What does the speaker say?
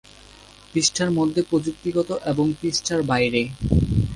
পৃষ্ঠার মধ্যে, প্রযুক্তিগত এবং পৃষ্ঠার বাইরে।